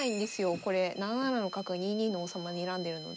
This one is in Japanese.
これ７七の角が２二の王様にらんでるので。